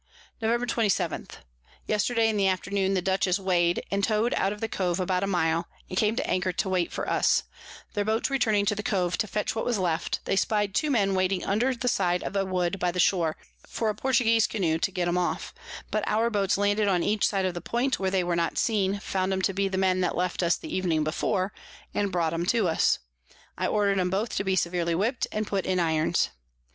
Nov. 27. Yesterday in the Afternoon the Dutchess weigh'd, and tow'd out of the Cove about a mile, and came to anchor to wait for us: Their Boats returning to the Cove to fetch what was left, they spy'd two Men waiting under the side of a Wood by the Shore, for a Portuguese Canoe to get 'em off; but our Boats landed on each side of the Point, where they were not seen, found 'em to be the Men that left us the Evening before, and brought 'em to us. I order'd 'em both to be severely whip'd, and put in Irons.